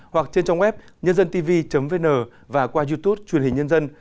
hoặc trên trang web nhândântv vn và qua youtube truyền hình nhân dân